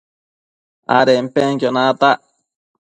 adenpenquio natac